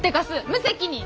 無責任！